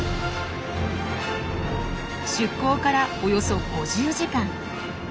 出航からおよそ５０時間。